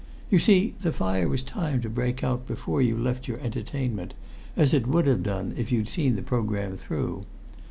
You see, the fire was timed to break out before you left your entertainment, as it would have done if you'd seen the programme through.